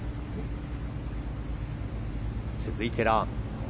続いて、ラーム。